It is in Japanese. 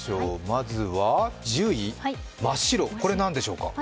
まずは１０位、真っ白、これ何でしょうか。